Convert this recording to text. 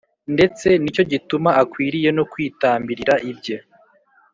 Ndetse ni cyo gituma akwiriye no kwitambirira ibye